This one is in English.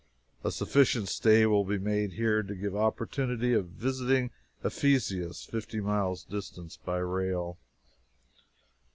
A sufficient stay will be made here to give opportunity of visiting Ephesus, fifty miles distant by rail.